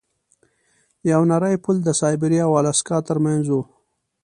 یو نری پل د سایبریا او الاسکا ترمنځ و.